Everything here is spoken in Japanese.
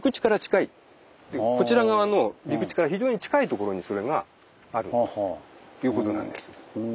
こちら側の陸地から非常に近いところにそれがあるということなんです。